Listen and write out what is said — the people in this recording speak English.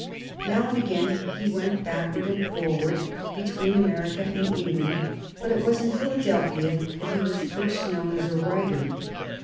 Now and again he went backward and forward between America and England, but it was in Philadelphia that he was first known as a writer.